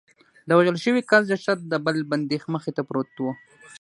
د وژل شوي کس جسد د بل بندي مخې ته پروت و